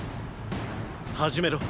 始めろ。